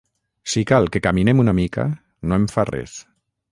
Si cal que caminem una mica, no em fa res.